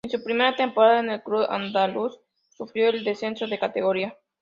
En su primera temporada en el club andaluz sufrió el descenso de categoría.